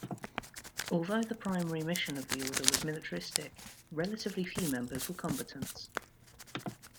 Although the primary mission of the order was militaristic, relatively few members were combatants.